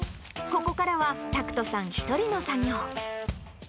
ここからは、拓人さん１人の作業。